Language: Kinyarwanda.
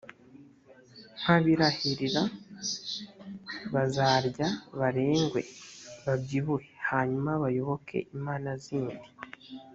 nkabirahirira; bazarya barengwe, babyibuhe; hanyuma bayoboke imana zindi,